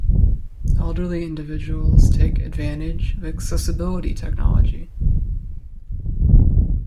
Elderly individuals take advantage of accessibility technology.